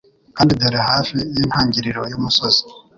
Kandi dore hafi yintangiriro yumusozi